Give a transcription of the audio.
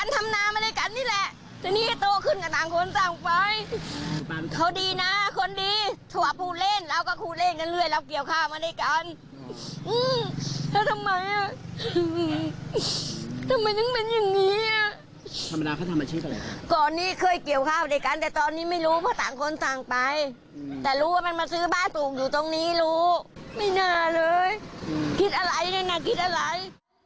แต่รู้ว่ามันมาซื้อบ้านสูงอยู่ตรงนี้รู้ไม่เหนื่อยเลยคิดอะไรนะคิดอะไร